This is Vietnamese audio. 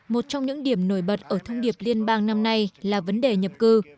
một trong những điểm nổi bật ở thông điệp liên bang năm nay là vấn đề nhập cư